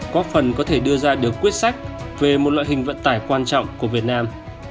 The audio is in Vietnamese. có phần có thể đưa ra được quyết sách về một loại hình vận tải quan trọng của việt nam